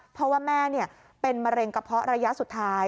เพราะว่าแม่เป็นมะเร็งกระเพาะระยะสุดท้าย